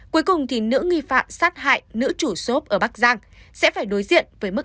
cuối cùng thì nữ nghi phạm sát hại nữ chủ xốp ở bắc giang sẽ phải đối diện với mức